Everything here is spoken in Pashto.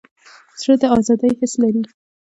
زړه د ازادۍ حس لري.